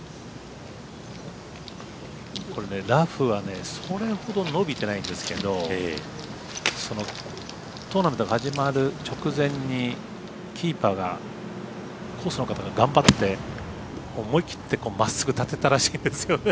これ、ラフはそれほど伸びてないんですけどトーナメントが始まる直前にキーパーがコースの方が頑張って思い切ってまっすぐ立てたらしいんですよね。